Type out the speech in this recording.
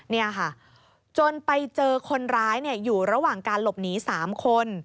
นี่ค่ะจนไปเจอคนร้ายอยู่ระหว่างการหลบหนี๓คน